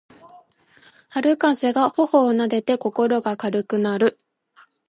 春風が頬をなでて心が軽くなる